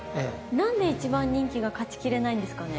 何で１番人気が勝ち切れないんですかね？